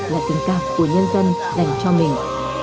là tình cảm của nhân dân đành cho mình